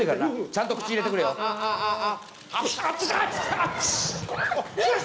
ちゃんと口に入れてくれよ。